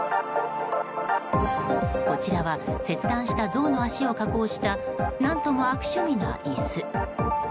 こちらは切断したゾウの足を加工した何とも悪趣味な椅子。